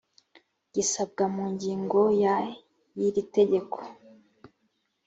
gisabwa mu ngingo ya y iri tegeko